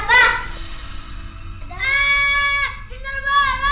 adam jangan tinggalkan rafa